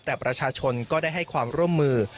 แต่ประชาชนก็ได้ให้ความร่วมมือ